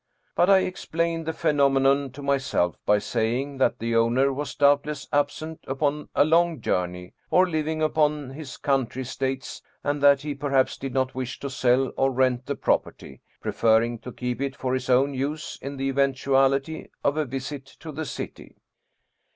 But I explained the phenomenon to myself by saying that the owner was doubt less absent upon a long journey, or living upon his country estates, and that he perhaps did not wish to sell or rent the 133 German Mystery Stories property, preferring to keep it for his own use in the eventuality of a visit to the city.